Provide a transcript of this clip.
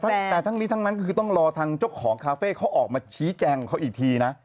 แต่ทั้งนี้ทั้งนั้นก็คือต้องรอทางเจ้าของคาเฟ่เขาออกมาชี้แจงของเขาอีกทีนะ